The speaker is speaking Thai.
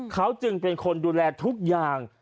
เขาจึงเป็นคนดูแลทุกอย่าง